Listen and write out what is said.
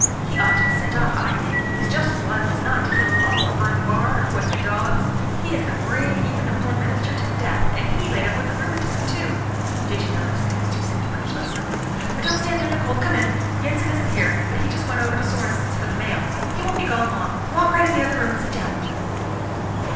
He ought to be sent off, I think. He is just as liable as not to kill us all, or burn the barn, or poison the dogs. He has been worrying even the poor minister to death, and he laid up with the rheumatism, too! Did you notice that he was too sick to preach last Sunday? But don't stand there in the cold, come in. Yensen isn't here, but he just went over to Sorenson's for the mail; he won't be gone long. Walk right in the other room and sit down."